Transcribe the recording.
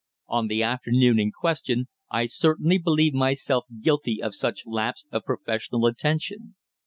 On the afternoon in question I certainly believe myself guilty of such lapse of professional attention.